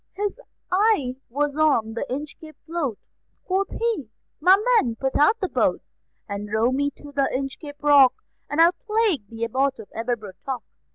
His eye was on the Inchcape float; Quoth he: "My men, put out the boat, And row me to the Inchcape Rock, And I'll plague the Abbot of Aberbrothock."